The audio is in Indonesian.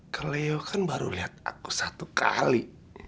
kelio kan baru liat aku satu kali